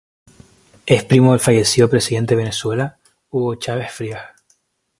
Es primo del fallecido Presidente de Venezuela, Hugo Chávez Frías.